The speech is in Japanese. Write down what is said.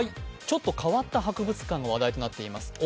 ちょっと変わった博物館の話題となっています。